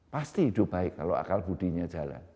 pasti hidup baik kalau akal budinya jalan